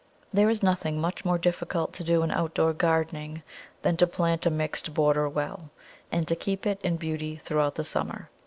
There is nothing much more difficult to do in outdoor gardening than to plant a mixed border well, and to keep it in beauty throughout the summer.